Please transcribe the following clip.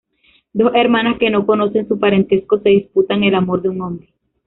Dos hermanas que no conocen su parentesco se disputan el amor de un hombre.